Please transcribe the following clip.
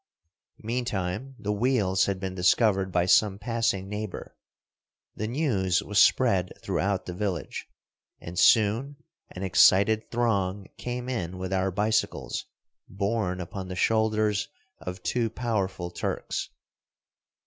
Meantime the wheels had been discovered by some passing neighbor. The news was spread throughout the village, and soon an excited throng came in with our bicycles borne upon the shoulders of two powerful Turks.